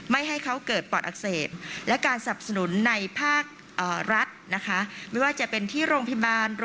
ไม่ให้เขาเกิดปอดอักเสบ